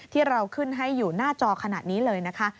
ที่เราขึ้นให้อยู่หน้าจอขนาดนี้เลยนะคะ